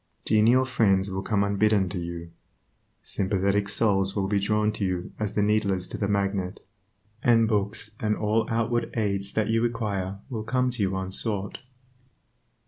Genial friends will come unbidden to you; sympathetic souls will be drawn to you as the needle is to the magnet; and books and all outward aids that you require will come to you unsought.